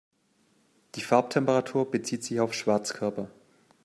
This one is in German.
Die Farbtemperatur bezieht sich auf Schwarzkörper.